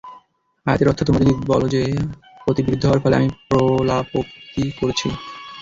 আয়াতের অর্থ তোমরা যদি বল যে, অতি বৃদ্ধ হওয়ার ফলে আমি প্রলাপোক্তি করছি।